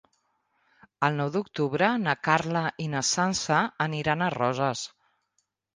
El nou d'octubre na Carla i na Sança aniran a Roses.